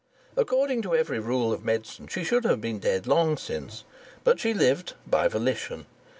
According to every rule of medicine she should have been dead long since; but she lived by volition.